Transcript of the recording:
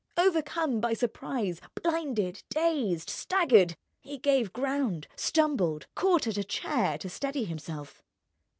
Overcome by surprise, blinded, dazed, staggered, he gave ground, stumbled, caught at a chair to steady himself.